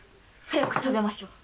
早く食べましょう。